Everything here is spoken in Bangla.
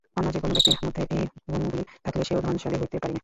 অন্য যে-কোন ব্যক্তির মধ্যে এই গুণগুলি থাকিলে সেও ধনশালী হইতে পারিবে।